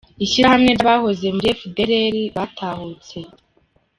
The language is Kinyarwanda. – Ishyirahamwe ry’abahoze muri efudeleri batahutse.